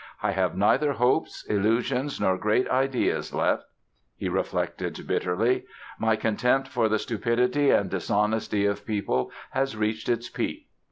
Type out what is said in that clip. "I have neither hopes, illusions nor great ideas left", he reflected bitterly; "my contempt for the stupidity and dishonesty of people has reached its peak...."